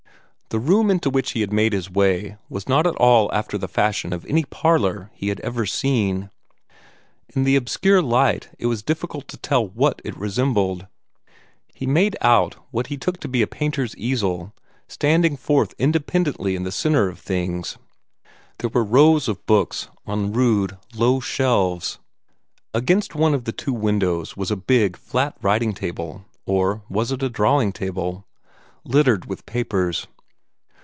The room into which he had made his way was not at all after the fashion of any parlor he had ever seen. In the obscure light it was difficult to tell what it resembled. He made out what he took to be a painter's easel, standing forth independently in the centre of things. There were rows of books on rude, low shelves. Against one of the two windows was a big, flat writing table or was it a drawing table? littered with papers.